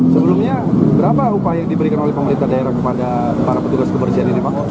sebelumnya berapa upah yang diberikan oleh pemerintah daerah kepada para petugas kebersihan ini pak